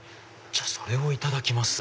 じゃあそれをいただきます。